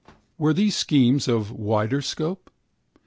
Were there schemes of wider scope?